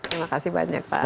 terima kasih banyak pak